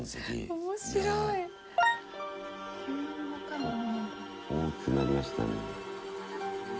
おっ大きくなりましたね。